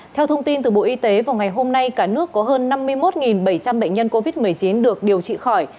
theo thông tin từ bộ y tế vào ngày hôm nay cả nước có hơn năm mươi một bảy trăm linh bệnh nhân covid một mươi chín được điều trị khỏi